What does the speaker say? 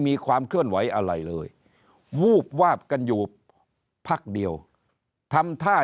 มีความเคลื่อนไหวอะไรเลยวูบวาบกันอยู่พักเดียวทำท่า